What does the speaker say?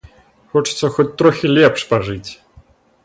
Хочацца хоць трохі лепш пажыць.